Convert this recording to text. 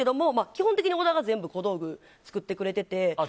基本的に小田が全部小道具は作ってくれてて。